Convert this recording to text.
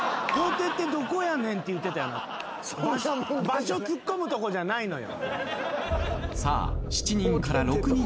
場所ツッコむとこじゃないのよ。